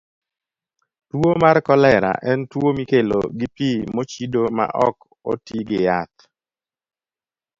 Tuwo mar kolera en tuwo mikelo gi pi mochido ma ok oti gi yath.